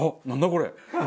これ！